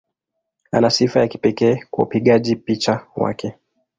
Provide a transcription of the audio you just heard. Ana sifa ya kipekee kwa upigaji picha wake.